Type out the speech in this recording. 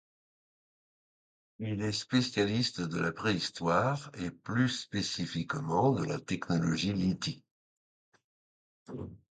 Il est spécialiste de la Préhistoire, et plus spécifiquement de la technologie lithique.